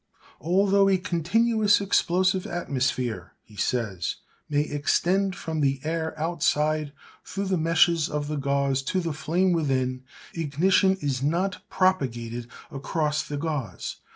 'Although a continuous explosive atmosphere,' he says, 'may extend from the air outside through the meshes of the gauze to the flame within, ignition is not propagated across the gauze.